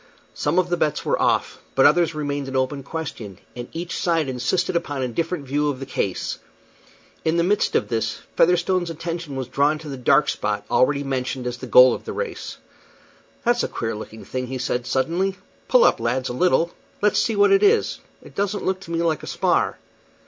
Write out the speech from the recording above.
Some of the bets were off, but others remained an open question, and each side insisted upon a different view of the case. In the midst of this, Featherstone's attention was drawn to the dark spot already mentioned as the goal of the race. "That's a queer looking thing," said he, suddenly. "Pull up, lads, a little; let's see what it is. It doesn't look to me like a spar."